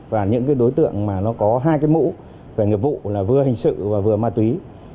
và những cái đối tượng mà nó có hai cái mũ về nghiệp vụ là vừa hình sự và vừa ma túy